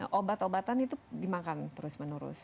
obat obatan itu dimakan terus menerus